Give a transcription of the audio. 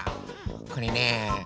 これねえ